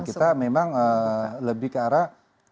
kita memang lebih ke arah